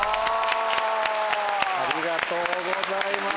ありがとうございます。